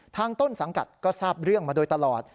ต้นสังกัดก็ทราบเรื่องมาโดยตลอด